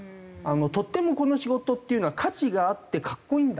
とってもこの仕事っていうのは価値があって格好いいんだ。